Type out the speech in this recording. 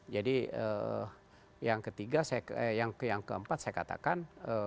jadi yang keempat saya katakan